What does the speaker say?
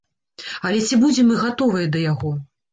Але ці будзем мы гатовыя да яго?